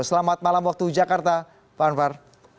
selamat malam waktu jakarta pak anwar